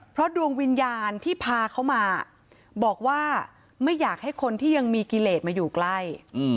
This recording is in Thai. เพราะดวงวิญญาณที่พาเขามาบอกว่าไม่อยากให้คนที่ยังมีกิเลสมาอยู่ใกล้